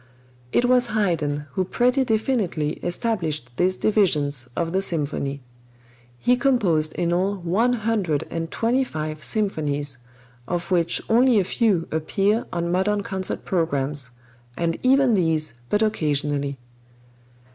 It was Haydn who pretty definitely established these divisions of the symphony. He composed in all one hundred and twenty five symphonies, of which only a few appear on modern concert programs, and even these but occasionally.